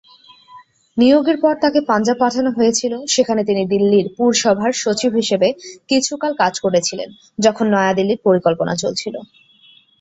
নিয়োগের পর তাকে পাঞ্জাব পাঠানো হয়েছিল, সেখানে তিনি দিল্লির পুরসভার সচিব হিসাবে কিছুকাল কাজ করেছিলেন যখন নয়াদিল্লির পরিকল্পনা চলছিল।